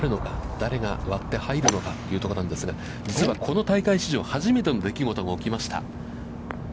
誰が割って入るのかというところなんですが、実はこの大会史上、初めての出来事が起きました。